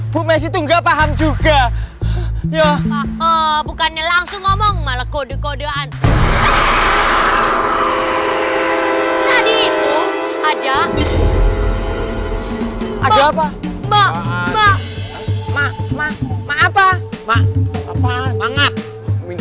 pumesi tuh nggak paham juga ya oh bukannya langsung ngomong malah kode kodean tadi itu